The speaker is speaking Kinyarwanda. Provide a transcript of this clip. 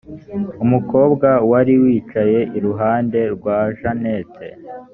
umukobwa wari wicaye iruhande rwa janet